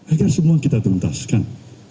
agar semua kita tuntaskan